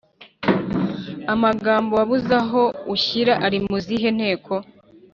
amagambo wabuze aho ushyira ari mu zihe nteko?